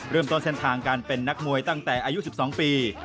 เริ่มต้นเส้นทางการเป็นนักมวยตั้งแต่อายุ๑๒ปี